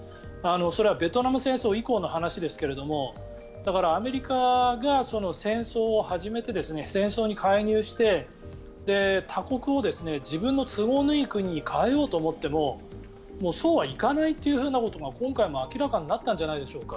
それはベトナム戦争以降の話ですがだからアメリカが戦争を始めて戦争に介入して他国を自分の都合のいい国に変えようと思ってもそうはいかないということが今回も明らかになったんじゃないんでしょうか。